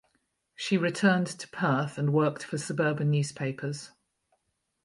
She returned to Perth and worked for suburban newspapers.